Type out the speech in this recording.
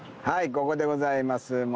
ここでございます。